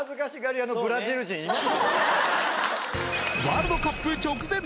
ワールドカップ直前！